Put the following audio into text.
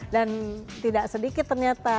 dan tidak sedikit ternyata